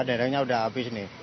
dendengnya udah habis nih